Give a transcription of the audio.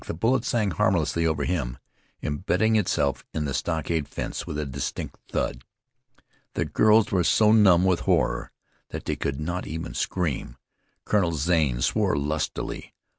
The bullet sang harmlessly over him, imbedding itself in the stockade fence with a distinct thud. The girls were so numb with horror that they could not even scream. Colonel Zane swore lustily.